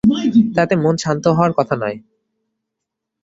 তাতে মন শান্ত হওয়ার কথা নয়।